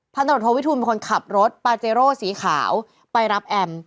ตรวจโทวิทูลเป็นคนขับรถปาเจโร่สีขาวไปรับแอม